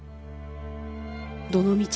どのみち